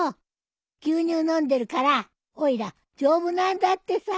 牛乳飲んでるからおいら丈夫なんだってさ。